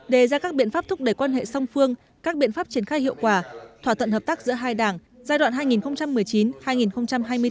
đề ra các biện pháp thúc đẩy quan hệ song phương các biện pháp triển khai hiệu quả thỏa tận hợp tác giữa hai đảng giai đoạn hai nghìn một mươi chín hai nghìn hai mươi năm